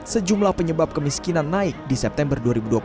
sejumlah penyebab kemiskinan naik di september dua ribu dua puluh satu